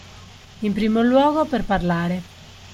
In primo luogo, per parlare.